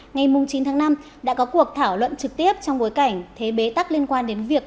ngày chín tháng năm đã có cuộc thảo luận trực tiếp trong bối cảnh thế bế tắc liên quan đến việc